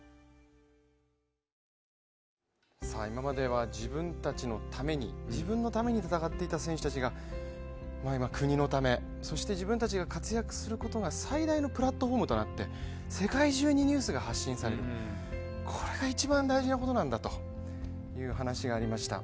今までは自分たちのために自分のために戦っていた選手たちが今は国のため、そして自分たちが活躍することが最大のプラットフォームになって、世界中にニュースが発信されるこれが一番大事なことなんだという話がありました。